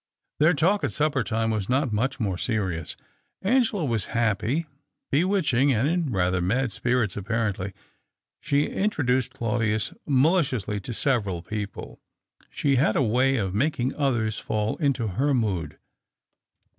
Their talk at supper time was not much more serious. Angela was happy, bewitching, and in rather mad spirits, apparently. She introduced Claudius maliciously to several people. She had a way of making others fall into her mood.